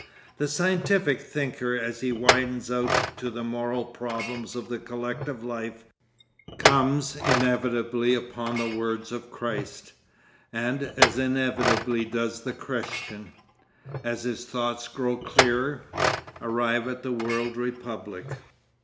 The scientific thinker as he widens out to the moral problems of the collective life, comes inevitably upon the words of Christ, and as inevitably does the Christian, as his thought grows clearer, arrive at the world republic.